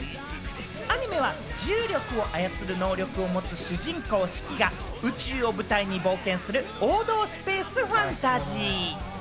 アニメは重力を操る能力を持つ主人公・シキが宇宙を舞台に冒険する王道スペースファンタジー。